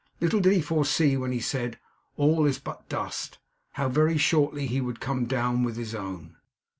Little did he foresee when he said, 'All is but dust!' how very shortly he would come down with his own!